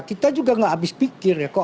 kita juga gak habis pikir ya